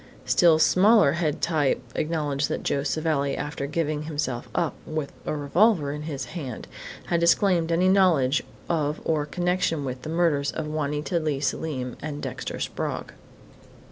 Still smaller head type acknowledged that Joe Savelli, after giving himself up, with a revolver in his hand, had disclaimed any knowledge of or connection with the murders of Juanita Leigh Selim and Dexter Sprague.